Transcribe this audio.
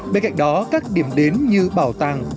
bên cạnh đó các điểm đến như bảo tàng